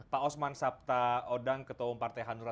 pak osman sabta odang ketua umum partai hanura